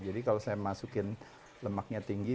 jadi kalau saya masukkan lemaknya tinggi